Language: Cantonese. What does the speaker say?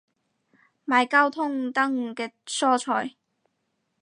買交通燈嘅蔬菜